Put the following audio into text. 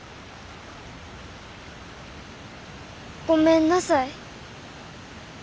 ごめんなさい。